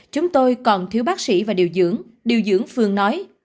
chúng tôi còn thiếu bác sĩ và điều dưỡng điều dưỡng phương nói